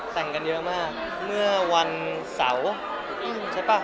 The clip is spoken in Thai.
แต่งกันเยอะมากเมื่อวันเสาร์ใช่ป่ะ